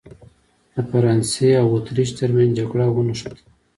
د فرانسې او اتریش ترمنځ جګړه ونښته.